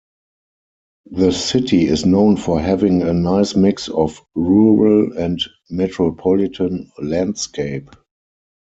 The city is known for having a nice mix of rural and metropolitan landscape.